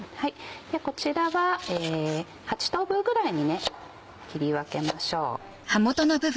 こちらは８等分ぐらいに切り分けましょう。